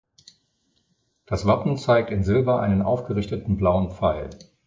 Das Wappen zeigt in Silber einen aufgerichteten blauen Pfeil.